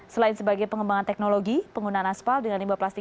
selain sebagai pengembangan teknologi penggunaan aspal dengan limbah plastik